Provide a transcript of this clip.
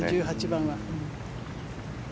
１８番は。